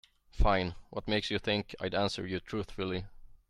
Fine, what makes you think I'd answer you truthfully?